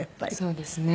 そうですね。